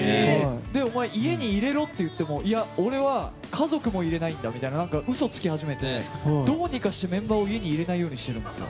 お前、家に入れろって言ってもいや俺は家族も入れないんだみたいな嘘をつき始めてどうにかしてメンバーを家に入れないようにしてるんですよ。